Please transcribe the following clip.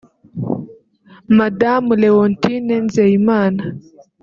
Madamu Leontine Nzeyimana